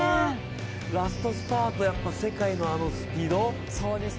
ラストスパート、世界のあのスピード。